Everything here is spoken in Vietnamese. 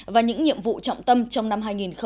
và những nhiệm vụ trọng tâm trong năm hai nghìn hai mươi